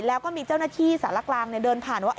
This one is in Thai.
แล้วก็มีเจ้าหน้าที่สารกลางเดินผ่านว่า